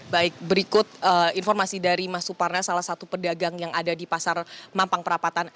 baik berikut informasi dari mas suparna salah satu pedagang yang ada di pasar mampang perapatan